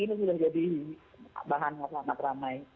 ini sudah jadi bahan yang sangat ramai